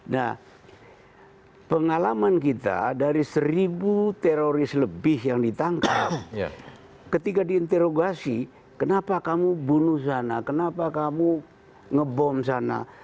nah pengalaman kita dari seribu teroris lebih yang ditangkap ketika diinterogasi kenapa kamu bunuh sana kenapa kamu ngebom sana